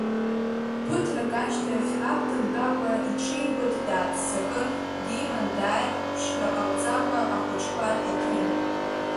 Ԥыҭрак ашьҭахь, аб дымтәакәа, иҽеибыҭ дааццакын, диман дааит, ԥшра ҟамҵакәа, ахәыҷкәа рҳақьым.